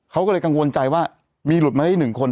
เขาก็เลยกังวลใจว่ามีหลุดมาได้หนึ่งคน